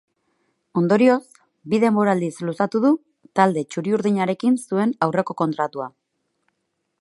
Ondorioz, bi denboraldiz luzatu du talde txuri-urdinarekin zuen aurreko kontratua.